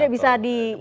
tidak bisa di ini ya